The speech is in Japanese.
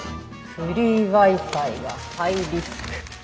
フリーＷｉＦｉがハイリスク。